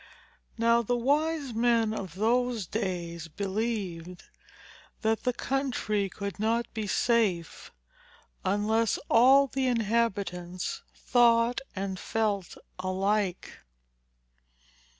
Now the wise men of those days believed, that the country could not be safe, unless all the inhabitants thought and felt alike."